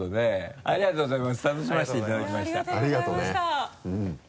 ありがとうございます。